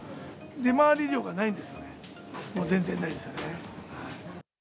出回り量がないんですよね、もう全然ないですね。